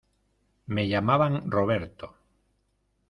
me llamaban Roberto.